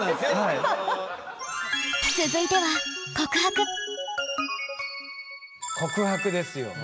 続いては告白ですよ。